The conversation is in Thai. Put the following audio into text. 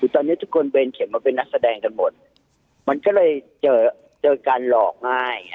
ตอนนี้ทุกคนเวรเขียนมาเป็นนักแสดงกันหมดมันก็เลยเจอการหลอกง่าย